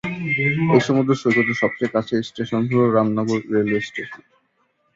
এই সমুদ্র সৈকতের সবচেয়ে কাছের স্টেশন হল রামনগর রেলওয়ে স্টেশন।